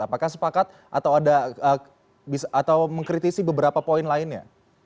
apakah sepakat atau mengkritisi beberapa poin lainnya